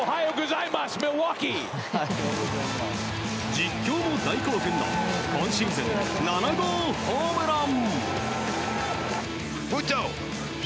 実況も大興奮の今シーズン７号ホームラン。